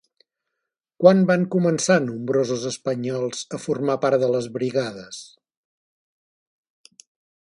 Quan van començar nombrosos espanyols a formar part de les Brigades?